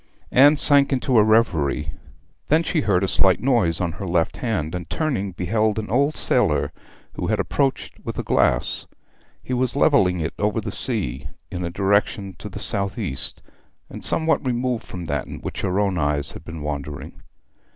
Anne sank into a reverie. Then she heard a slight noise on her left hand, and turning beheld an old sailor, who had approached with a glass. He was levelling it over the sea in a direction to the south east, and somewhat removed from that in which her own eyes had been wandering.